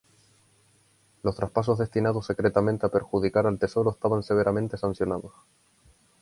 Los traspasos destinados secretamente a perjudicar al Tesoro estaban severamente sancionados.